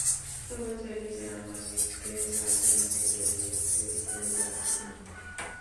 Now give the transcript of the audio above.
কর্মচারীরা আমার বিরুদ্ধে রাজার নিকটে অভিযোগ করিতে লাগিল।